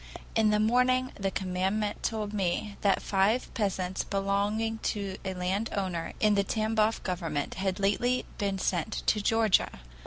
"In the morning the commandant told me that five peasants belonging to a landowner in the Tamboff government had lately been sent to Georgia.